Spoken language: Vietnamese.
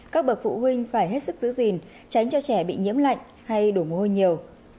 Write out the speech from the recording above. các bậc phụ huynh phải hết sức giữ gìn tránh cho trẻ bị nhiễm lạnh hay đổ mô hôi nhiều